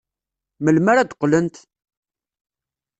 Melmi ara d-qqlent?